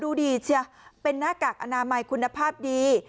ดูดีเชียเป็นหน้ากากอนามัยคุณภาพดี